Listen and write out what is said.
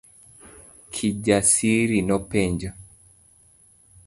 Kijasiri nopenje.